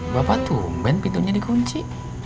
bapak tumben pintunya dikunci